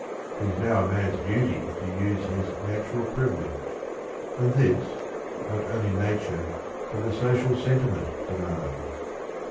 It is now a man's duty to use his natural privilege. And this, not only nature but .the social sentiment demands.